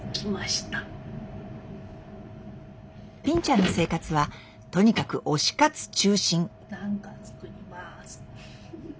ぴんちゃんの生活はとにかく推し活中心！